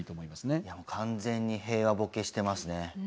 いやもう完全に平和ボケしてますね。